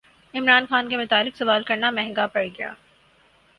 عمران خان کے متعلق سوال کرنا مہنگا پڑگیا